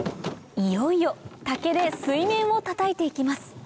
いよいよ竹で水面をたたいて行きます